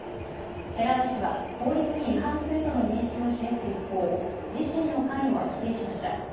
寺田氏は法律に違反するとの認識を示す一方、自身の関与は否定しました。